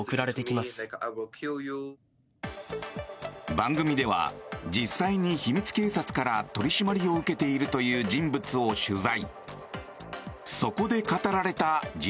番組では、実際に秘密警察から取り締まりを受けているという人物を取材。